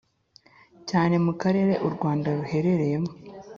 cyane mu karere u Rwanda ruherereyemo